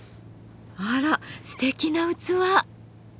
あらすてきな器。